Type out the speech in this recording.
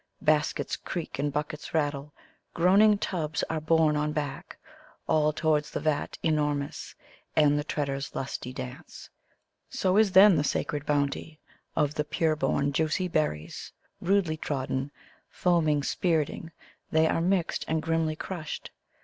Baskets creftk and buckiets rattle, gmaniitg tubs ar« borne on back, All towards the vat enormous and the treaders' lusty dance; So is then Uie 8aer«d bounty of the pure bom, juicy berries Rudely trodden; foaming, spirting, they are mixed and grimly crushed.